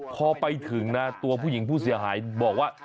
พอไปถึงนะตัวผู้หญิงผู้เสียหายบอกว่า